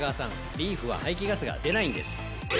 リーフは排気ガスが出ないんです！